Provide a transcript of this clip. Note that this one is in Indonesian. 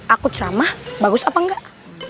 aku ceramah bagus apa enggak